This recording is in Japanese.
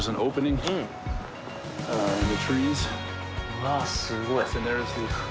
うわすごい。